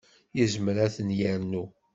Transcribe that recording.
Yezmer ad ten-yernu.